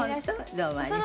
どうもありがとう。